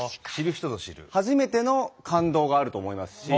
初めての感動があると思いますし。